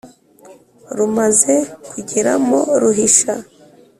” rumaze kugeramo ruhisha